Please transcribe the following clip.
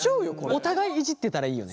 お互いいじってたらいいよね。